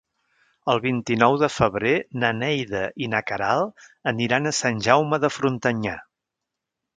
El vint-i-nou de febrer na Neida i na Queralt aniran a Sant Jaume de Frontanyà.